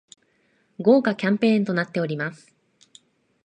豪華キャンペーンとなっております